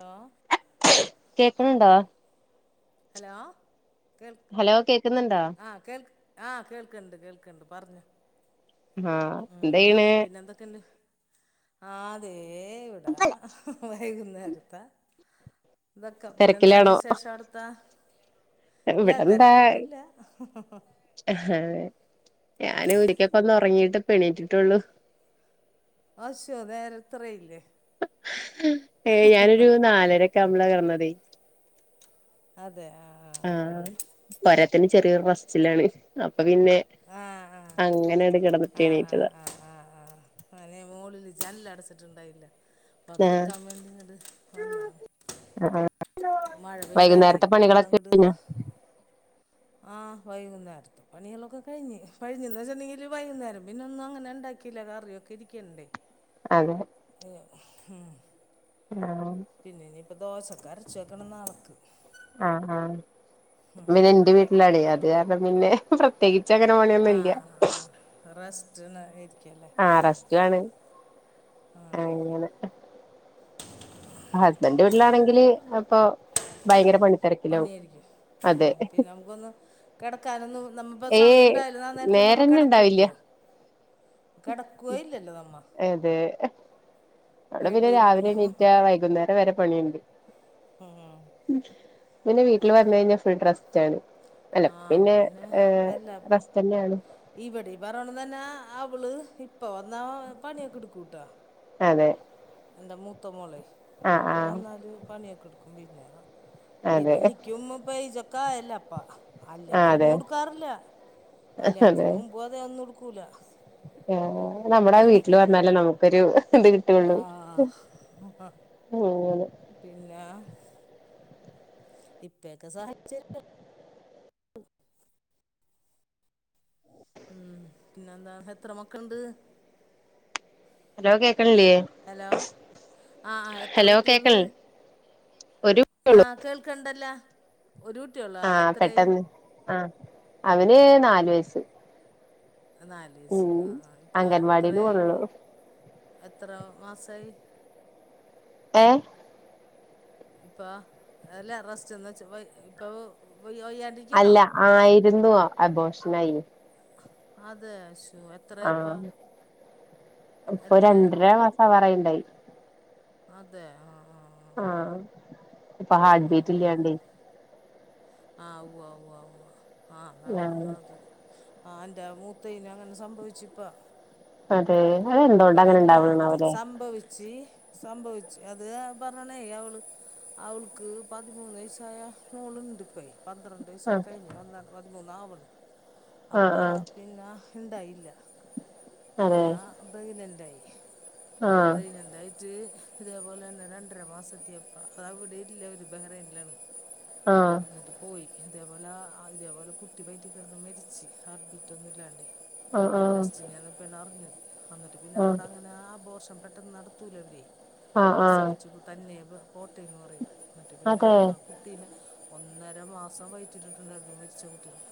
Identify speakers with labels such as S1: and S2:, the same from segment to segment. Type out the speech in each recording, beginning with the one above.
S1: Law
S2: കേക്ണുണ്ടോ
S1: hello കേൾ
S2: hello കേക്കുന്നുണ്ടോ
S1: ആഹ് കേൾ ആഹ് കേൾക്ണ്ട് കേൾക്ണ്ട് പറഞ്ഞോ
S2: ആഹ്
S1: ഉംഹ്
S2: എന്തെയ്യ്ണ്
S1: പിന്നെന്തൊക്കെണ്ട് ആഹ് ദേ ഇവിടാ വൈകുന്നേരത്താ ഇതൊക്ക പിന്നെന്താണ്
S2: തിരക്കിലാണോ
S1: വിശേഷവ്ട്ത്തേ ഇല്ല തെരക്കൊന്നുംല്ല ഹ ഹ ഹ
S2: അഹ് ഞാന് ഒരിക്കപ്പൊ ഒന്ന് ഉറങ്ങീയിട്ട്പ്പ ണീറ്റിട്ടുള്ളൂ
S1: [unintelligible] ഇത്രയില്ലേ
S2: നാലരൊക്ക ക്കാകുമ്പളാ കെടന്നതേ
S1: അതെ ആഹ്
S2: ആഹ് പോരാത്തിന് ചെറിയൊരു റസ്റ്റിലാണ് അപ്പൊ പിന്നെ
S1: ആഹ്
S2: അങ്ങനെട് കിടന്നിട്ട്
S1: ആഹ്
S2: എണീറ്റതാ
S1: അഹ് ആഹ് ആഹ് നേ മോളില് ജൻല്ല് അടച്ചിട്ടുണ്ടായില്ല അതടക്കാവേണ്ടിങ്ങട്ട് വന്നാണ്
S2: ആഹ്
S1: മഴ പെയ്താലേ
S2: വൈകുന്നേരത്തെ പണികളൊക്കെ കഴിഞ്ഞോ
S1: ആഹ് വൈകുന്നേര്ത്ത് പണികളക്കെ കഴിഞ്ഞ് കഴിഞ്ഞെന്ന് വെച്ചാ ഇനി വൈകുന്നര പിന്നെ ഒന്നും അങ്ങനെ ഇണ്ടാക്കീയില്ല കറിയൊക്കെ ഇരിക്ക്ണ്ട്
S2: അതേ
S1: ഏഹ് ഉം
S2: അഹ്
S1: പിന്നെ ഇനിയിപ്പോ ദോശക്ക് അരച്ച് വെക്കണം നാളക്ക്.
S2: ആഹ് ആഹ് ഇന്ന് ഞാൻ ഇന്റെ വീട്ടിലാണേ അത് കാരണം പിന്നെ ഇപ്പം പ്രത്യേകിച്ചങ്ങനെ
S1: ആ
S2: പണ്യൊന്നുല്ല
S1: ആ റെസ്റ്റ് ഇരിക്കല്ലേ
S2: ആഹ റസ് റ്റാണ് അങ്ങനെ ഹസ്ബൻഡ്ൻ്റെ വീട്ടിലാണെങ്കില് ഇപ്പൊ ഭയങ്കര പണി
S1: പണ്യായിരിക്കും ഉം പിന്നെ നമുക്കൊന്ന് കെടക്കാനൊന്നും നമ്മപ്പോ
S2: ഏയ്
S1: സമയണ്ടായാലു ആ നേരത്തൊന്നും നമ്മ
S2: നേരന്നെ ഇണ്ടാവില്ല
S1: കെടക്കൂലല്ലോ. നമ്മ
S2: അതെ അവടെ പിന്നെ
S1: പേടിയായിരിക്കും
S2: രാവിലെ എണീറ്റാ വൈകുന്നേരം വരെ പണിണ്ട്.
S1: ഉം
S2: പിന്നെ വീട്ടില് വന്നയിഞ്ഞാ ഫുൾ റെസ്റ്റാണ്. അല്ല
S1: ആഹ് അത്
S2: ഇപ്പിന്നെ ഏഹ് റെസ്റ്റെന്യാണ്.
S1: ഇവടിം ഈ പർഞ്ഞോണം തന്നെ അവള് ഇപ്പ വന്നാ പണ്യാക്കെട്ക്കൂട്ടോ.
S2: അതെ
S1: എൻ്റെ മൂത്തമോളെ
S2: ആഹ്
S1: ഇപ്പൊ
S2: ആഹ്
S1: വന്നാല് പണ്യെക്കെട്ക്കും പിന്നാ
S2: അതെ
S1: പിന്നെ നിക്ക്യും ഇപ്പെയ്ജൊക്കായല്ലപ്പ. അല്ലെങ്കി
S2: ആഹ് അതെ
S1: ഒന്നുട്ക്കാറില്ല കല്യാണത്തിന് മുമ്പും അതെ ഒന്നുട്ക്കൂല.
S2: ആഹ് നമ്മടെ വീട്ടില് വന്നാലേ നമുക്കൊരു ഇത് കിട്ടൊള്ളൂ.
S1: ആഹ്
S2: അങ്ങനെ
S1: പിന്നെ ഇപ്പെത്തെ സഹാച്ചര്യം [unintelligible] [unintelligible] ഉം പിന്നെന്താ എത്ര മക്കള്ണ്ട്?
S2: ലോ കേക്ക്ണില്ലേ?
S1: ഹലോ ആഹ് ആഹ് എത്ര കുട്ട്യെൾണ്ട്?
S2: ഒര്
S1: ആഹ് കേൾക്ക്ണ്ടല്ലാ ഒരു കുട്ട്യെ
S2: ആഹ് പെട്ടെന്ന് ആഹ് അവന് നാല് വയസ്സ്.
S1: നാല് വയസ്സ്
S2: ഉം
S1: ആഹ് ആഹ് ഇപ്പ
S2: അംഗൻവാടില്
S1: എത്രായി
S2: പോണുള്ളൂ
S1: എത്ര മാസായി?
S2: ഏഹ്?
S1: ഇപ്പാ അല്ല റസ്റ്റ്ന്നെച്ച വയ് ഇപ്പൊ വയ്യയ്യാണ്ടി
S2: അല്ല ആയിരുന്നു അബോഷനായി.
S1: അതെ ശ്ശോ എ
S2: ആഹ് ഇപ്പൊ
S1: എത്ര
S2: രണ്ടര മാസാവാറായി ണ്ടാവും.
S1: അതെ ആഹ്
S2: ആഹ് ഇപ്പ
S1: ആഹ്
S2: ഹാർട്ട്
S1: ആഹ്
S2: ബീറ്റ്ല്ലാണ്ടേ
S1: ആഹ് ഉവ്വ ഉവ്വ ഉവ്വ ആഹ് നന്ന്
S2: ആഹ്
S1: അത് ആഹ് ഇന്റെ മൂത്തെയ്‌ന് അങ്ങനെ സംഭവിച്ചൂപ്പ.
S2: അതെ അത് എന്തുകൊണ്ട് അങ്ങനെ
S1: ഇപ്പളല്ല
S2: ഇണ്ടാവണാവല്ലേ
S1: സംഭവിച്ച് സംഭവിച്ച് അതി ഞാൻ പർഞ്ഞ്ണേ അവള് അവൾക്ക് പതിമൂന്ന് വയസായ മോള്ണ്ട്. ഇപ്പെയ് പന്ത്രണ്ട് ദിവസൊക്കെ
S2: ആഹ്
S1: കഴിഞ്ഞ് [unintelligible] പതിമൂന്നാവ്ണ് അപ്പ
S2: ആഹ് ആഹ്
S1: പിന്നെ ഇണ്ടായില്ല
S2: അതെ
S1: പിന്നാ പ്രഗ്നൻറ്റായി
S2: ആഹ്
S1: പ്രഗ്നൻറ്റായി റ്റ് ഇതേപോലെന്നെ രണ്ടര മാസത്ത്യപ്പ അത് അവടില്ല അവര് ബഹ്റൈൻലാണ്.
S2: ആഹ്
S1: ന്നട്ട് പോയി ഇതേപോലാ അഹ് ഇതേപോലെ കുട്ടി വൈറ്റി കെടന്ന് മരിച്ച് ഹാർട്ട് ബീറ്റൊന്നുല്ലാണ്ടേ
S2: ആഹ്
S1: ടെസ്റ്റിനിയാണ് പിന്നെ അറിഞ്ഞത് എന്നിട്ട് പിന്നെ
S2: ആഹ്
S1: അവിടെ അങ്ങനെ ആ ബോർഷം പെട്ടെന്ന് നട ത്തൂല അവര്
S2: ആഹ് ആഹ് ആഹ്
S1: പ്രസവിച്ച തന്നെ പോട്ടന്ന് പറയും ന്നിട്ട് പിന്നെ
S2: അതെ
S1: കുട്ടീനെ ഒന്നര മാസം വൈറ്റിട്ടിട്ടുണ്ടായിരുന്നു മരിച്ച കുട്ടീനെ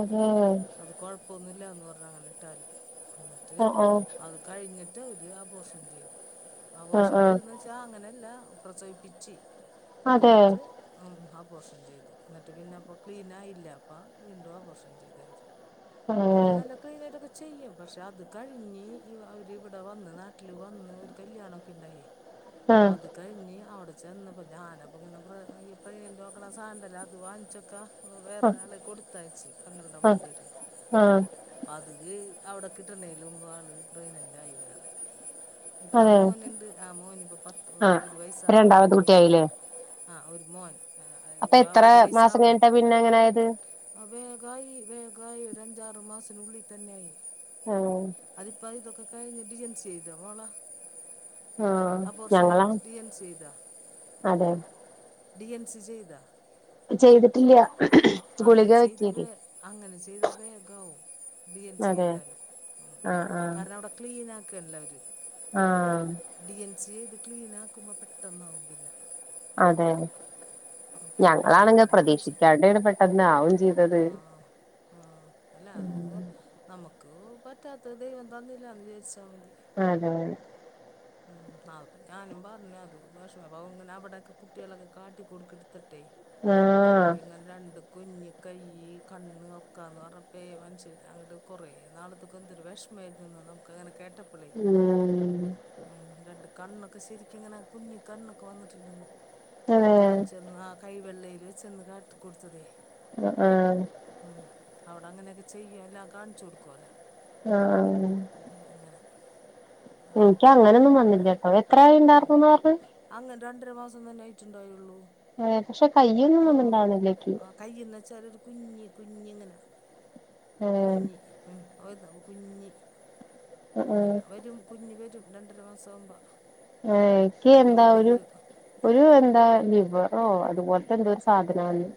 S2: അതെ
S1: അത് കുഴപ്പമൊന്നുമില്ല എന്ന് പറഞ്ഞ അങ്ങനെ ഇട്ടാലും എന്നിട്ട്
S2: ആഹ്
S1: അത് കഴിഞ്ഞിട്ട് അവർ അപോർഷൻ ചെയ്തു ആപോർഷൻ
S2: ആഹ് ആഹ്
S1: ചെയ്തെന്ന വെച്ചാൽ അങ്ങനെല്ല പ്രസവിപ്പിച്ച്
S2: അതെ
S1: എന്നിട്ട് ആ പോർഷൻ ചെയ്ത് എന്നിട്ട് പിന്നെ അപ്പോൾ ക്ലീനായില്ല അപ്പ വീണ്ടും അ പോർഷൻ ചെയ്തവര് അവര്
S2: ഏഹ്
S1: നല്ല കഴുന്നേട്ടൊക്കെ ചെയ്യും പക്ഷെ അത് കഴിഞ്ഞ് അവരി ഇവിടെ വന്ന് നാട്ടിൽ വന്ന് ഒരു കല്ല്യാണംമൊക്കെ ഉണ്ടായി
S2: ഉ
S1: അത് കഴിഞ്ഞ് അവിടെ ചെന്നപ്പോ ഞാനപ്പ ഇങ്ങനെ പ്രന്റെ അണ സാൻഡലോ അത് വാങ്ങിച്ചൊക്കെ അപ്പൊ
S2: ആഹ്
S1: വേറൊരാള കൊടുത്താച്ചി പങ്ങളുടെ
S2: ആഹ്
S1: മോന്റേൽ
S2: ആഹ്
S1: അത് അവിടെ കിട്ടണതില മുമ്പ് ആൾ പ്രയിനെന്റയി വേറെ ഇപ്പൊ
S2: അതെ
S1: മോൻുണ്ട് ആ മോന് ഇപ്പ പത്ത്
S2: ആഹ്
S1: ഒരു വയസ്സ് ആാവണ്
S2: രണ്ടാമത്തെ
S1: ജൂണില്ക്ക്
S2: കുട്ടിയായില്ലേ
S1: ആഹ ഒരു മോൻ ആ
S2: അപ്പൊ
S1: ഇപ്പം
S2: എത്ര
S1: ഒരു
S2: മാസം
S1: വയസ്സാവണം
S2: കഴിഞ്ഞിട്ടാ പിന്നെ അങ്ങനെ ആയത്?
S1: ആ വേഗായി വേഗായി ഒരു അഞ്ചാറു മാസനുള്ളിൽ തന്നെയായി
S2: ആഹ്
S1: അതിപ്പ അത് ഇതൊക്കെ കഴിഞ്ഞഞ് ഡീയ്ൻസി ചെയ്താ മോളാ
S2: ആഹ്
S1: അപർഷണ
S2: ഞങ്ങളാ
S1: ആയിട്ട് ഡീ എൻ സി ചെയിതാ?
S2: അതെ
S1: ഡി എൻ സി ചെയ്ത?
S2: ചെയ്തിട്ടില്ല ഗുളിക വെക്കിയത്
S1: ചെയ്തവേ അങ്ങനെ ചെയ്താൽ വേഗമാവും ഡി എൻ സി
S2: അതെ
S1: ചെയ്താല് ഉ ഉ
S2: ആഹ് ആഹ്
S1: കാരണം അവിടെ ക്ലീന ആക്കല്ല അവര്
S2: ആഹ്
S1: ഡി എൻ സിയെ ചെയ്ത് ക്ലീൻ ആക്കുമ്പോൾ പെട്ടന്നകും പിന്ന
S2: അതെ
S1: അങ്ങനെ
S2: ഞങ്ങളാണെങ്ക
S1: പിന്നെ വെച്ചാ
S2: പ്രതീക്ഷിക്കാണ്ടെ ആണ് പെട്ടെന്ന് ആവും ചെയ്തത്
S1: ആഹ് ആഹ് അല്ല അത് നമുക്ക് പറ്റാത്ത ദൈവം തന്നില്ലന്ന് വിചാരിച്ച മതി
S2: അതെ അെ
S1: ഉ അ അപ്പൊ ഞാനും പറഞ്ഞ അത് വിഷമ അ ഇങ്ങനെ അവിടെയൊക്കെ കുട്ടികളൊക്കെ കാട്ടി കൊടുക്കടുത്തട്ടെ
S2: ആഹ്
S1: അപ്പൊ ഇങ്ങനെ രണ്ട കുഞ്ഞ കൈ കണ്ണ് ഒക്കാന്ന് പറഞ്ഞപ്പ മനുഷ്യൻ അങ്ങോട്ട് കുറേ നാളത്തൊക്കെ എന്തരു വിഷ മെരുന്നു ന്നൊക്കെങ്ങനെ കേട്ട പ്പളായ്
S2: ഉം
S1: ഉം രണ്ട് കണ്ണൊക്കെ ശരിക്ക ഇങ്ങനെ കുഞ്ഞി കണ്ണൊക്കെ വന്നിട്ടുണ്ടന്ന്
S2: അതെ
S1: കാണിച്ചന്ന് ആ കൈ വെള്ളയിൽ വെ ചെന്ന് കാട്ട കൊടുത്തതേ
S2: അ ആഹ്
S1: ഉം അവിട അങ്ങനെയൊക്കെ ചെയ്യുവ അല്ലാ കാണിച്ചു കൊടുക്കുവല്ല
S2: ആഹ്
S1: ഉം അങ്ങനെ
S2: എനിക്ക്
S1: പറയണ്ട
S2: അങ്ങനെയൊന്നും
S1: പ
S2: വന്നില്ല കേട്ടോ എത്രെയാ
S1: ഉം
S2: ഉണ്ടായിർന്ന് പറഞ്
S1: അങ്ങനെ രണ്ടര മാസം തന്നെ ആയിട്ടുണ്ടായള്ളൂ
S2: ആഹ് പക്ഷെ കയ്യനൊന്നും ഉണ്ടാവനില്ല ങ്കി
S1: കൈന്ന് വച്ചാലൊരു കുഞ്ഞി കുഞ്ഞി ഇങ്ങനെ
S2: ഉം
S1: കുഞ്ഞി ഉം ആഹ് വരുന്നു കുഞ്
S2: ഉം
S1: അങ്ങനെ വരും കുഞ്ഞ് വരും രണ്ടര മാസം ആകുമ്പോ
S2: ഏഹ് ന്കി എന്താ ഒരു ഒരു എന്താ ലിവറോ അതുപോലത്തെ എന്തോ ഒരു സാധനവന്ന്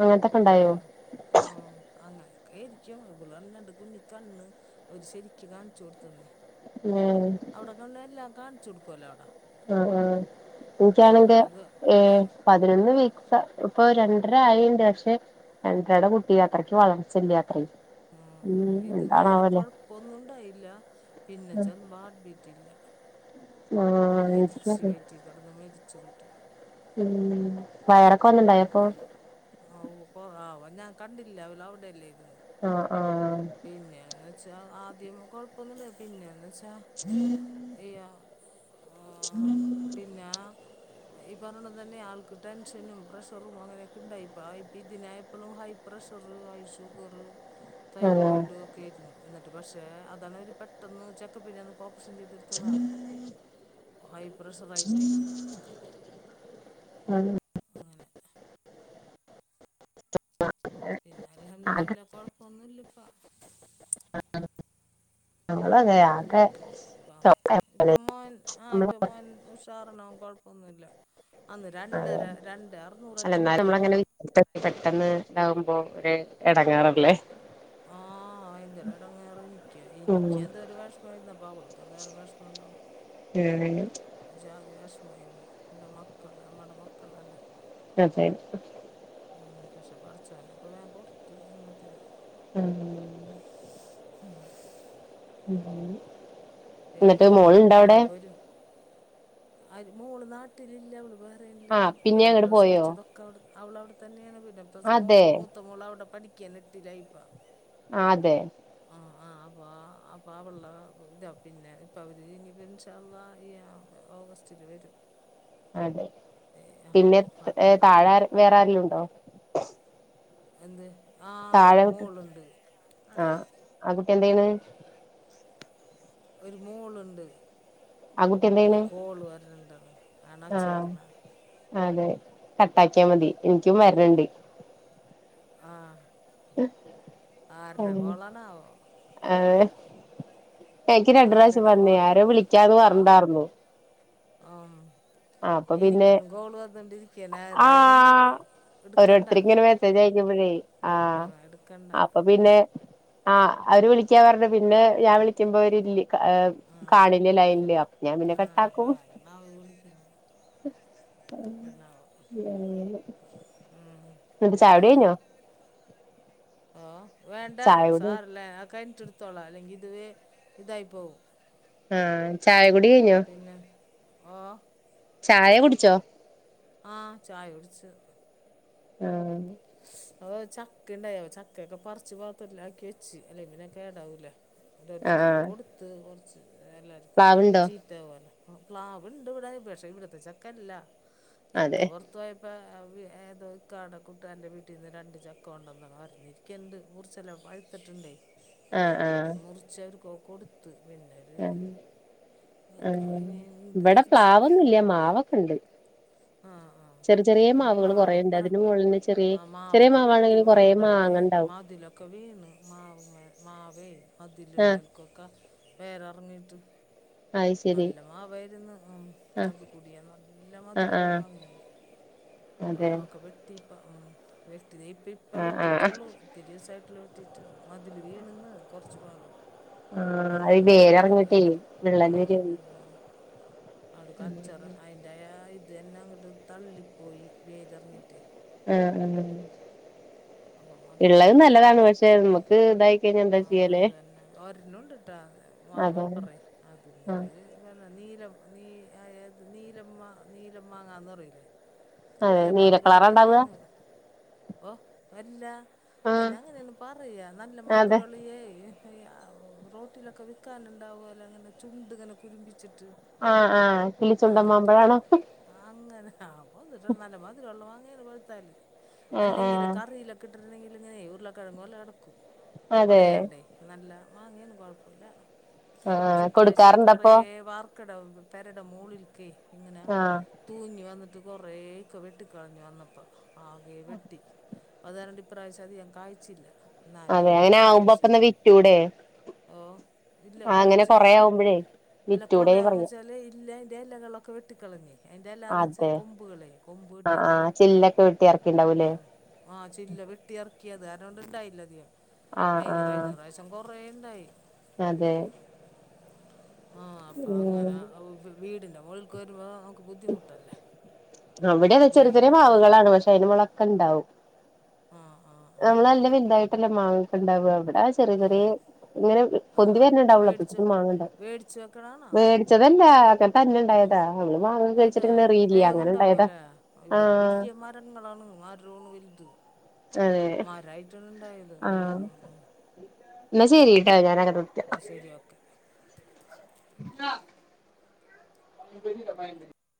S2: അങ്ങനത്തക്കെ ഉണ്ടായോ
S1: അഹ് അങ്ങനൊക്കൊയിരിക്കും ഇവൾ പറഞ്ഞു രണ്ടു കുഞ്ഞി കണ്ണ് അവര് ശരിക്ക് കാണിച്ചു കൊടുത്തന്നേ
S2: ഏഹ്
S1: അവിടെക്കൊ പിന്നെ എല്ലാം കാണിച്ചു കൊടുക്കുവല്ലോ അവിടെ
S2: ആഹ് ആഹ് എനിക്കാണെന്റെ
S1: അവളിപ്പക്ക്
S2: ഏഹ് പതിനൊന്ന് വീക്സ ഇപ്പൊ രണ്ടര ആയീണ്ട് പക്ഷെ,, രണ്ടരയുടെ കുട്ടി അത്രയ്ക്ക് വളർച്ചല്ല ത്രെ
S1: ആഹ് ആഹ് ഇത് വേറെ കൊഴപ്പൊന്നും ഉണ്ടായില്ല പിന്നെ ചെന്ന് ഹാർഡ് ബീറ്റില്ല കുട്ടി
S2: ആഹ്
S1: മരിച്ച്
S2: എനിക്കറിയ
S1: വയറ്റി കടന്ന് മരിച്ച് കുട്ടി
S2: ഉം വയറൊക്കെ വന്ന്ണ്ടായോ അപ്പൊ
S1: ആഹ് ആവാ ഞാൻ കണ്ടില്ല അവൾ അവിടെയല്ലോയിരുന്നോ
S2: ആഹ് ആഹ് ആഹ്
S1: പിന്നേന്ന് വെച്ചാൽ ആദ്യം കുഴപ്പമൊന്നില്ല പിന്നേന്ന് വച്ചാ ഈ ഉം പിന്നാ ഈ പറഞ്ഞത് തന്നെ ആൾക്ക് ടെൻഷനും പ്രഷറും അങ്ങനെയൊക്കെ ഉണ്ടായിപ്പ ഇപ്പ ഇതിനായി ഇപ്പോഴും ഹൈ പ്രഷർ ഹൈ ഷുഗറ്
S2: ഉ
S1: തൈറോയിഡ് ഒക്കെ ആയിരുന്നു എന്നിട്ട് പക്ഷെ അതാണ് അവര് പെട്ടെന്ന് ചെക്കപ്പ്ന്നെന്ന്പ്പോ ഓപ്പറേഷൻ ചെയ്ത,, പ്രഷറായിട്ടേ
S2: ആഹ്
S1: അങ്ങനെ പിന്നെ
S2: ആകെ
S1: അൽഹംദുലില്ലാഹ് കുഴപ്പമൊന്നുമില്ല ഇപ്പൊ
S2: നമ്മളൊക്കെ യതെ
S1: ഇപ്പൊ മോൻ ആഹ് ഇപ്പൊ മോൻ ഉഷാറാണ് അവൻ കൊഴപ്പൊന്നുല്ല അന്ന്
S2: അതെ
S1: രണ്ടര രണ്ട് അറന്നൂർറ്റണ്ടായി
S2: ഇപ്പ പെട്ടെന്ന് ഇതാവുമ്പോ ഒരു എടങ്ങേറല്ലേ
S1: ആഹ് ആഹ് ഭയങ്കര എടങ്ങേറ് നിക്ക്യ
S2: ഉം
S1: ഇനിക്കെന്തൊരു വിഷമേർന്നു. അപ്പൊ അവൾക്ക് എന്തോരം വിഷമം ഉണ്ടാവും.
S2: ഉം
S1: ഒരു ജാതി വിഷമായിരുന്നു നല്ല മക്കൾ നമ്മടെ മക്കളല്ലേ
S2: അതെ..
S1: ഉം പക്ഷെ പടചോൻ പ്പോ വേഗം കൊടുത്തു എന്നത്തിന
S2: ഉം.
S1: ഉം..
S2: ഉം.
S1: പിന്നെ അവനിപ്പോ ഒരു മോള് നാട്ടിലില്ല അവള് ബഹ്‌റൈൻ ലാണ്
S2: ആഹ് പിന്നെ
S1: അവൾ
S2: അങ്ങോട്ട് പോയോ
S1: പ്രെസവിച്ചതൊക്കെ അവിടെ അവളവിടെ തന്നെയാണ് പിന്നെ മോൾ
S2: അതെ
S1: മൂത്ത മൂത്ത മോൾ അവിടെ പഠിക്കയാണ് എട്ടില ഇപ്പൊ
S2: അതെ
S1: ആഹ് ആഹ് അപ്പൊ അവളുടെ ഇത് പിന്നെ ഇപ്പൊ അവര് ഇനിപ്പോ ഇന്ഷാ അല്ലാഹ് ഈ ഓഗസ്റ്റില് വരും
S2: അതെ
S1: ഏ ആ
S2: പിന്നെ
S1: അപ്പം
S2: താഴെ വേറെ ആരെലും ഉണ്ടോ
S1: എന്ത് ആഹ് ഒരു
S2: താഴെ
S1: മോൾണ്ട്.
S2: ആഹ് ആ കുട്ടി എന്താ ചെയ്യുന്ന്.
S1: ഒരു മോളുണ്ട്
S2: ആ കുട്ടി എന്ത്
S1: ഒരു
S2: ചെയ്യണ്
S1: കോള് വരണണ്ട് അതാണ്
S2: ആഹ്
S1: ഒച്ചേക്കുന്നേ
S2: അതെ കട്ടാക്കിയാ മതി എനിക്കും വരണണ്ട്.
S1: ആഹ്
S2: ആഹ്
S1: കോളാണാവോ
S2: ഏഹ് കഴിക്ക് രണ്ട് പ്രാവശ്യം
S1: ആരുടെ
S2: വന്നേ
S1: കോള
S2: ആരോ വിളിക്കാന്ന് പറഞ്ഞിണ്ടാർന്നു.
S1: ആഹ്
S2: അപ്പൊ പിന്നെ
S1: എനിക്കും കോള് വന്നോണ്ടിരിക്കണ് എന്തായാലും. എടുക്കണ്ട
S2: ഓരോരുത്തരിങ്ങനെ മെസ്സേജ് അയക്കുമ്പഴേ
S1: ആ
S2: ആഹ്
S1: എടുക്കണ്ട
S2: അപ്പൊ പിന്നെ ആഹ് അവര് വിളിക്കാ പറഞ്ഞു പിന്നെ ഞാൻ വിളിക്കുമ്പോ അവര് ഏഹ്
S1: ആ
S2: കാണില്ല ലൈൻല് അപ്പ ഞാൻ പിന്നെ കട്ടാക്കും.
S1: ന്നാ അവര് വിളിക്കണം ഉം
S2: ന്നിട്ട് ചായടിയ്ഞ്ഞാ
S1: ഓഹ് വേണ്ട
S2: ചായുടി
S1: സാരല്ല കഴിഞ്ഞിട്ട്ടുത്തോളാം അല്ലെങ്കിത് ഇതായി പോവും.
S2: ആഹ് ചായ കുടി കഴിഞ്ഞോ?
S1: പിന്നെ ഓഹ്
S2: ചായ കുടിച്ചോ?
S1: ആഹ് ചായ കുടിച്ച്.
S2: ആഹ്
S1: ഓഹ് ചക്ക ഉണ്ടായി ചക്കയൊക്കെ പറിച്ച് പാത്രത്തിലാക്കി വെച്ച് അല്ലെങ്കി പിന്നെ കേടാവൂലേ
S2: ആഹ്
S1: ഓരോരുത്തർകൊക്കെ
S2: ആഹ്
S1: കൊടുത്ത് കൊറച്ച് എല്ലാവർക്കും
S2: പ്ലാവുണ്ടോ
S1: ചീ ത്താവോലോ പ്ലാവ്ണ്ട് ഇവടെ പക്ഷെ ഇവിടത്തെ ചക്കല്ല ഇക്ക
S2: അതെ
S1: പൊറത്തു പോയ പ്പോ ഏതോ ഇക്കാടെ കു ട്ടാരന്റെ വീട്ടിന്ന് രണ്ട് ചക്ക കൊണ്ടന്നര ഇരിക്കണ്ട് മുറിച്ചെല്ലാം പഴുത്തിട്ടുണ്ടേ
S2: ആഹ് ആഹ്
S1: മുറിച്ചത് അവര്കൊക്കെ കൊടുത്ത് പിന്നെ ഒരു
S2: ആഹ് ആഹ്
S1: ഇനി ഉണ്ട്
S2: ഇവടെ
S1: കുറച്ച്
S2: പ്ലാവൊന്നുല്ല മാവൊക്കെണ്ട്.
S1: ആ ആ
S2: ചെറിയ ചെറിയ മാവുകൾ കൊറേണ്ട് അതിന് മുകളിന്ന് ചെറി
S1: ആഹ് മാവൊക്കെ വെട്ടി വോള എവടെ എവടെ
S2: ഉണ്ടാവും
S1: മതിലൊ ഒക്കെ വീണ് മാവ്മ്മേ മാവേ
S2: ആ
S1: മതില്മ്മക്കൊക്കെ വോര്എറങ്ങിട്ട്.
S2: അത് ശരി
S1: നല്ല മാവായിരുന്ന് ഉം
S2: ആഹ്
S1: ചപ്പിക്കുടിയൻ നല്ല
S2: ആഹ്
S1: മധുരള്ള
S2: ആഹ്
S1: മാങ്ങയാണ്. പ
S2: അതെ
S1: ഒക്കെ വെട്ടിപ്പം ഉം വെട്ടി ഇപ്പം ഇപ്പം
S2: ആഹ് ആഹ്
S1: വെട്ടിട്ടെള്ളൂ. തെരിസായിട്ടൊള്ളു വെട്ടിട്ട് മതില് വീണന്ന് കൊറച്ച് ഭാഗം
S2: ആഹ്
S1: ഇനി
S2: അയ്
S1: അത് ഫുള്ള്
S2: വേരറങ്ങിട്ടേ
S1: പണിയണം
S2: വിള്ളല് വരാണ്.
S1: അത് കൾച്ചറാ അയിന്റെ ആ ഇത് തന്നെ അങ്ങട്ട് തള്ളിപ്പോയി വേരിറങ്ങിട്ട്.
S2: ആഹ് ആഹ്
S1: അപ്പം അതില്
S2: ഇള്ളത് നല്ലതാണ്
S1: കാറ്റ്
S2: പക്ഷെ നമുക്ക് ഇതായി കഴിഞ്ഞാ എന്താ
S1: ആഹ്
S2: ചെയ്യല്
S1: അതന്നെ വരെണുണ്ട്. ട്ടത്
S2: അതെ
S1: മാവ്പ്പറയ്
S2: ആഹ്
S1: അതിമ്മല്. ങ്ങനെ നീലം നീ ത് നീലം മാ നീലം മാങ്ങാന്നറിയിലേ?
S2: അതെ
S1: അല്ല
S2: നീല കളറാ ഇണ്ടാവ
S1: മധുരള്ളന്നെണ്. ഓഹ് വല്ല
S2: ആഹ്
S1: അയിന് അങ്ങനെയ ഒന്ന് പറയാ നല്ല
S2: അതെ
S1: മധുരള്ളിയേ ഈഹ് റോട്ടിലൊക്കെ വിക്കാനുണ്ടാവല്ലോ ഇങ്ങനെ ചുണ്ട് ഇങ്ങനെ കുരുമ്പിച്ചിട്ട്.
S2: ആഹ് ആഹ് കിളിച്ചുണ്ടൻ
S1: അങ്ങനെതോ
S2: മാമ്പഴാണോ
S1: അങ്ങനെ ആ പോത്തിട്ട് നല്ല മതിരള്ള മാങ്ങേണ് പഴുത്താല്.
S2: ആഹ്
S1: അല്ലെങ്കിലും
S2: ആഹ്
S1: കറിയിലൊക്കെ ഇട്ടിട്ടുണ്ടെങ്കിലിങ്ങനെ ഉരുള കിഴങ്ങു പോലെ കെടക്കും
S2: അതെ
S1: ഉടയാണ്ടേ നല്ല മാങ്ങേണ് കൊഴപ്പല്ല പക്ഷേ
S2: ആഹ്
S1: ഇപ്രാവശ്യം കൊറേ
S2: കൊടുക്കാറുണ്ടപ്പൊ
S1: വർ ക്ക്ടവും പെരടെ മോളിക്കെ എങ്ങനാ
S2: ആഹ്
S1: തൂങ്ങി വന്നിട്ട് കൊറേക്കെ വെട്ടിക്കളഞ്ഞു അന്നപ്പ ആകെ വെട്ടി അതാരണം ഇപ്രാവശ്യം അതികം കായ്ച്ചില്ല. എന്നാലും
S2: അതെ അങ്ങനെ ആകുമ്പോ അപ്പന്നാ വിറ്റൂടെ
S1: ഓഹ് ഇല്ല
S2: ആഹ് അങ്ങനെ
S1: കൊറച്ച്
S2: കൊറേ
S1: ആഹ്
S2: ആവുമ്പഴേ
S1: അല്ല
S2: വിറ്റൂടെ
S1: കൊറേയാവു
S2: പറയാ
S1: ല ഇല്ലന്റെ ഇലകളൊക്കെ വെട്ടിക്കളഞ്ഞേ എന്റെല്ലാന്ന് വെച്ചാ
S2: അതെ
S1: കൊമ്പുകളെ കൊമ്പ്
S2: ആഹ് ആഹ്
S1: വെട്ട്യെതാണ്
S2: ചില്ലൊക്കെ വെട്ടി എറക്കിണ്ടാവൂലേ
S1: ആഹ് ആഹ് ചില്ല വെട്ടി എർക്കിയത അതോണ്ട് ഇണ്ടായില്ല അതികം അതിയേനെ
S2: ആഹ്
S1: അയിന്നു
S2: ആഹ്
S1: കഴിഞ്ഞ പ്രാവ്ശ് ച്ചംകൊറേണ്ടായി
S2: അതെ
S1: ആഹ് അപ്പൊ
S2: ഉം
S1: അങ്ങനെ വി വീടിന്റെ മുഗൾക്ക് വെരുമ്പോ ന്നമുക്ക് ബുദ്ധിമുട്ടല്ലേ.
S2: അവ്ടെ വെച്ച് ഒരു തരം
S1: വീടിനാ
S2: മാവു കളാണ് പഷെ അയിന്റെ മോളോക്കെണ്ടാവും.
S1: ആഹ് ആഹ് ആഹ്
S2: ന്നമ്മളെല്ലാം വെൽതായിട്ടല്ലേ മാങ്ങക്കെണ്ടാവ ഇവടെ ആവ്ശ് ചെറിയെ ചെറിയെ
S1: ആ
S2: ഇങ്ങനെ
S1: ആ
S2: പൊന്തി വരന്ണ്ടാവോള്ളൂ
S1: വേടിച്ചോ
S2: അപ്പൊതെക്ക് മാങ്ങണ്ടവും
S1: വേടിച്ച് വെക്കണാണോ
S2: വെട് ച്ചതല്ലാ കൻ തന്നെണ്ടായതാ നമ്മള് മാങ്ങ
S1: അതെ
S2: കള്ച്ചിട്ട്ങ്ങനെ എറിയില്ലെ
S1: വേഗം
S2: അങ്ങനെണ്ടായതാ ആഹ്
S1: ഇങ്ങളാണ് മരോണ് വെൽത്
S2: അതെ
S1: മരായിട്ടാണ് ണ്ടായത് ഉം ഉം ഉം
S2: ഇന്നാ ശെരിട്ടാ ഞാനങ്ങട്ട് വിൾക്ക്യ
S1: അഹ് ശെരി ഓക്കെ
S2: [unintelligible] പയംമ്പോരിണ്ടോ പയംപൊരി